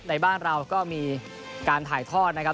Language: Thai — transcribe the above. ในบ้านเราก็มีการถ่ายทอดนะครับ